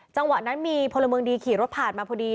จังหวะนั้นมีพลเมืองดีขี่รถผ่านมาพอดี